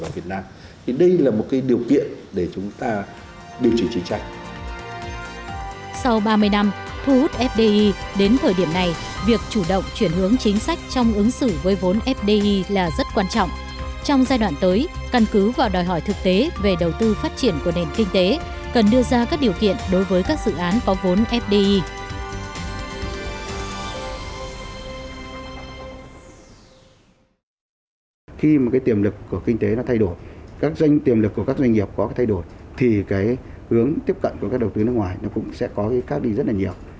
khi tiềm lực của kinh tế thay đổi các doanh nghiệp có thể thay đổi hướng tiếp cận của các đầu tư nước ngoài cũng sẽ có các lý rất nhiều